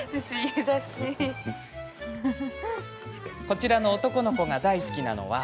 こちらの男の子が大好きなのは。